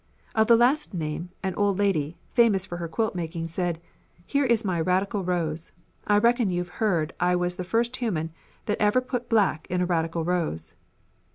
Of the last name, an old lady, famous for her quilt making, said: "Here's my 'Radical Rose.' I reckon you've heard I was the first human that ever put black in a Radical Rose.